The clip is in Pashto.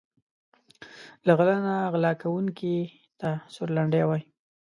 له غله نه غلا کونکي ته سورلنډی وايي.